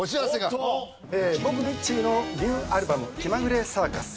僕ミッチーのニューアルバム『気まぐれサーカス』。